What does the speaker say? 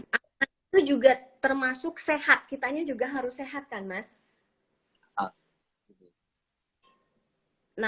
itu juga termasuk sehat kita nya juga harus sehat kan mas